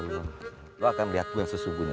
lo akan melihat gue sesungguhnya